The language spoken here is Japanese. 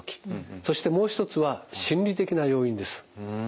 そしてもう一つは心理的な要因です。